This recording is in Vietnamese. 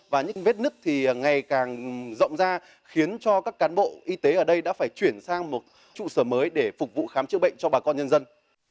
và những vết nứt thì ngày càng rộng ra khiến cho các cán bộ y tế ở đây đã phải chuyển sang một trụ sở mới để phục vụ khám chữa bệnh cho bà con nhân dân